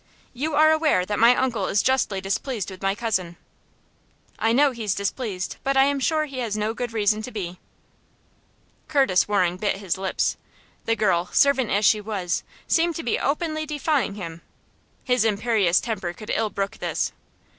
"You are aware that my uncle is justly displeased with my cousin?" "I know he's displeased, but I am sure he has no good reason to be." Curtis Waring bit his lips. The girl, servant as she was, seemed to be openly defying him. His imperious temper could ill brook this.